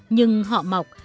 nhưng họ mọc